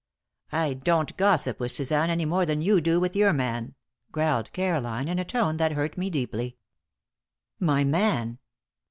"I don't gossip with Suzanne any more than you do with your man," growled Caroline, in a tone that hurt me deeply. My man!